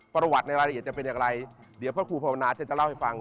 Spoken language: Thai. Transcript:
ประวัติในรายละเอียดจะเป็นอย่างไรเดี๋ยวพระครูภาวนาจะเล่าให้ฟัง